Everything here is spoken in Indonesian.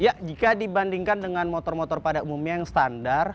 ya jika dibandingkan dengan motor motor pada umumnya yang standar